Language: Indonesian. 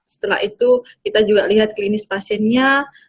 setelah itu kita juga lihat klinis pasiennya